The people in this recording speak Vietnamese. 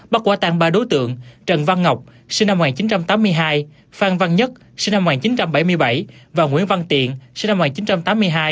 bắt quả tang ba đối tượng trần văn ngọc sinh năm một nghìn chín trăm tám mươi hai phan văn nhất sinh năm một nghìn chín trăm bảy mươi bảy và nguyễn văn tiện sinh năm một nghìn chín trăm tám mươi hai